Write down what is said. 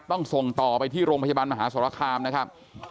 ส่งต่อไปที่โรงพยาบาลมหาสรคามนะครับ